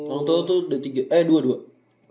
hang tuah itu dua dua